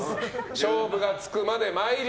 勝負がつくまで。